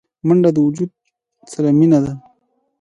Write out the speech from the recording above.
منډه د وجود سره مینه ده